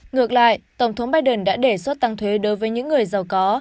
ngược lại tổng thống biden đã đề xuất tăng thuế đối với những người giàu có